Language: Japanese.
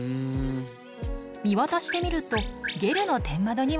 見渡してみるとゲルの天窓にもありました。